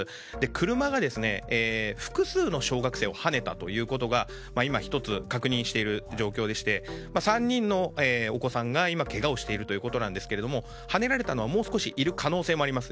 車が、複数の小学生をはねたということが今１つ、確認している状況でして３人のお子さんがけがをしているということですがはねられたのはもう少しいる可能性もあります。